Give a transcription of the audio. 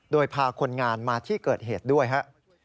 โดยพาคนงานมาที่เกิดเหตุด้วยครับ